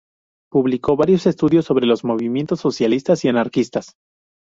Publicó varios estudios sobre los movimientos socialistas y anarquistas.